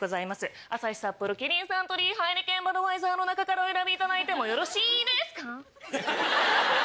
アサヒサッポロキリンサントリーハイネケンバドワイザーの中からお選びいただいてもよろしですか？